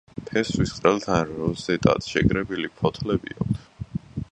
ფესვის ყელთან როზეტად შეკრებილი ფოთლები აქვთ.